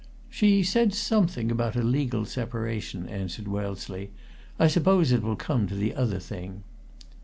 "She said something about a legal separation," answered Wellesley. "I suppose it will come to the other thing."